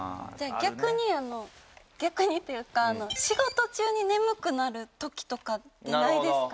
逆に逆にというか仕事中に眠くなる時とかってないですか？